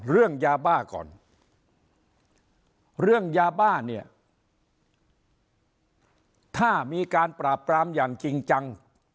เรื่องยาบ้าก่อนเรื่องยาบ้าเนี่ยถ้ามีการปราบปรามอย่างจริงจัง